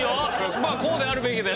まあこうであるべきだよね。